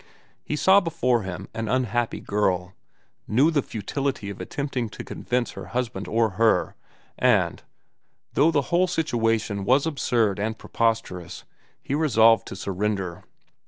He saw before him an unhappy girl, knew the futility of attempting to convince her husband or her, and, though the whole situation was absurd and preposterous, he resolved to surrender.